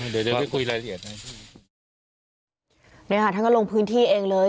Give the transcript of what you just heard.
เดี๋ยวเดี๋ยวไปคุยรายละเอียดเลยเลยค่ะท่านก็ลงพื้นที่เองเลย